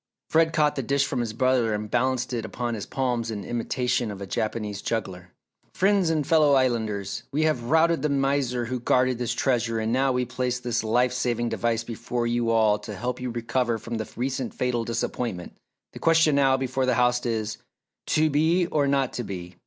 Fred caught the dish from his brother and balanced it upon his palms in imitation of a Japanese juggler. "Friends and fellow Islanders! We have routed the miser who guarded this treasure and now we place this life saving device before you all to help you recover from the recent fatal disappointment. The question now before the house is, 'To be or not to be!